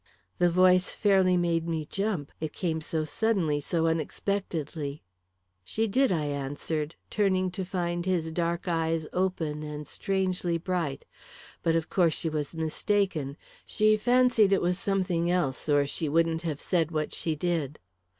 The voice fairly made me jump, it came so suddenly, so unexpectedly. "She did," I answered, turning to find his dark eyes open and strangely bright. "But of course she was mistaken. She fancied it was something else, or she wouldn't have said what she did."